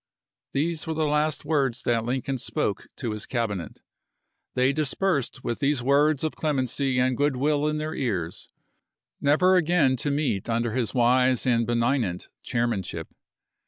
These were the last words that Lincoln spoke to Api. ibises his Cabinet. They dispersed with these words of clemency and good will in their ears, never again to meet under his wise and benignant chairman ship.